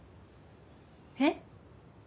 えっ？